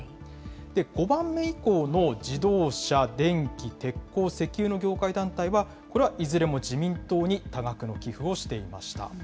５番目以降の自動車・電機・鉄鋼・石油の業界団体はこれはいずれも自民党に多額の寄付をしていました。